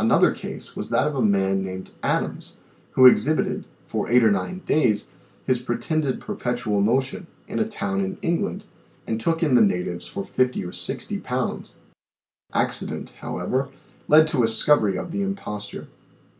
Another case was that of a man named Adams who ex hibited, for eight or nine days, his pretended perpetual motion in a town in England and took in the natives for fifty or sixty pounds. Accident, however, led to a discov ery of the imposture.